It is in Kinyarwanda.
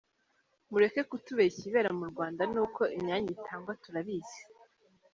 Mureke kutubeshya, ibibera mu Rwanda n'uko imyanya itangwa turabizi.